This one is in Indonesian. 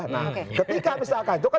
nah ketika misalkan